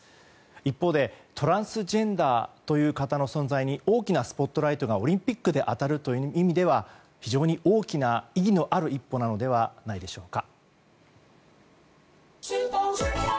一方でトランスジェンダーという方の存在に大きなスポットライトがオリンピックに当たるという意味では非常に大きな意義のある一歩なのではないでしょうか。